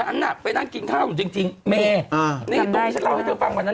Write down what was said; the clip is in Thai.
อันน่ะไปนั่งกินข้าวอยู่จริงจริงเมอ่านี่ตรงนี้ฉันเล่าให้เธอฟังวันนั้น